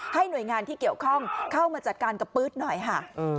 หน่วยงานที่เกี่ยวข้องเข้ามาจัดการกับปื๊ดหน่อยค่ะ